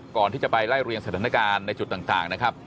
ก่อนที่จะไปไล่เรียงสถานการณ์ในจุดต่างนะครับ